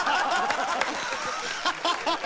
ハハハハ！